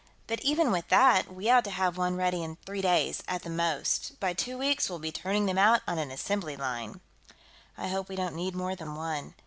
"But, even with that, we ought to have one ready in three days, at the most. By two weeks, we'll be turning them out on an assembly line." "I hope we don't need more than one.